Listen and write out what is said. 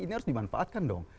ini harus dimanfaatkan dong